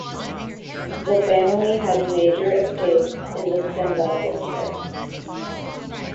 The family had major estates in the stendal district.